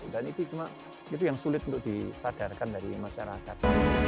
dan itu cuma yang sulit untuk disadarkan dari masyarakat